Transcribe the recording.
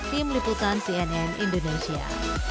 tim liputan cnn indonesia